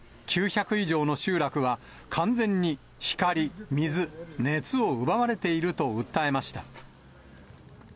９００以上の集落は完全に光、水、熱を奪われていると訴えました。